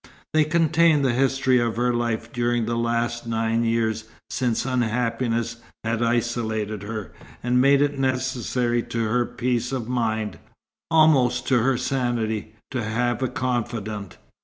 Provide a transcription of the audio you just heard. They contained the history of her life during the last nine years, since unhappiness had isolated her, and made it necessary to her peace of mind, almost to her sanity, to have a confidant.